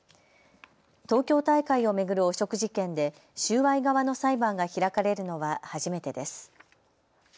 東京大会を巡る汚職事件で収賄側の裁判が開かれるのは初めてです。